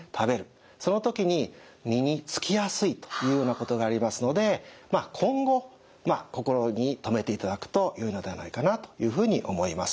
その時に身につきやすいというようなことがありますので今後心に留めていただくとよいのではないかなというふうに思います。